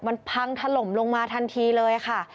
มันพังถล่มลงมาทันทีเลยค่ะ